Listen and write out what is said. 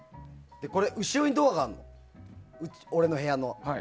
後ろにドアがあるの俺の部屋の。